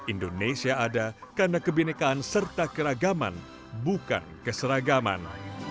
indonesia ada karena kebenekaan serta keragaman bukan keseragaman